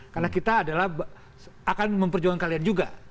karena kita adalah akan memperjuangkan kalian juga